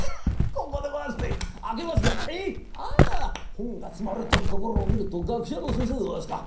本が積まれてるところを見ると学者の先生でございますか？